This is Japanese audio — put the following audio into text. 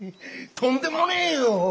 とんでもねえよ！